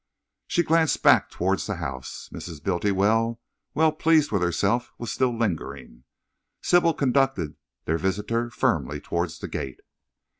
She glanced back towards the house. Mrs. Bultiwell, well pleased with herself, was still lingering. Sybil conducted their visitor firmly towards the gate.